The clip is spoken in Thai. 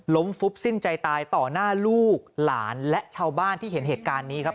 ฟุบสิ้นใจตายต่อหน้าลูกหลานและชาวบ้านที่เห็นเหตุการณ์นี้ครับ